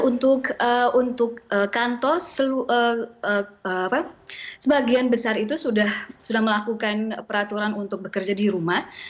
untuk kantor sebagian besar itu sudah melakukan peraturan untuk bekerja di rumah